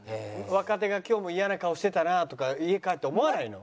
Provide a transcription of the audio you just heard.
若手が今日もイヤな顔してたなとか家帰って思わないの？